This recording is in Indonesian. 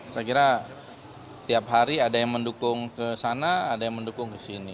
saya kira tiap hari ada yang mendukung ke sana ada yang mendukung ke sini